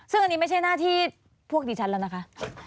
ซึ่งอันนี้ไม่ใช่หน้าที่พวกดิฉันแล้วนะคะ